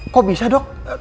kok bisa dok